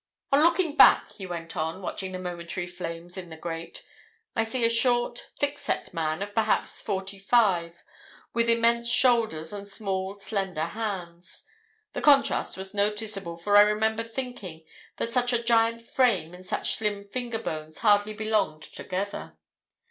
"On looking back," he went on, watching the momentary flames in the grate, "I see a short, thick set man of perhaps forty five, with immense shoulders and small, slender hands. The contrast was noticeable, for I remember thinking that such a giant frame and such slim finger bones hardly belonged together.